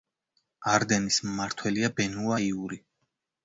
არდენის მმართველია ბენუა იური.